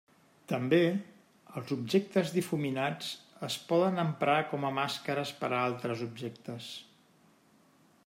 També, els objectes difuminats es poden emprar com a màscares per a altres objectes.